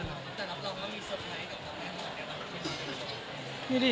แต่ตราบเราก็มีเซอร์ไพต์กับการอย่างนี้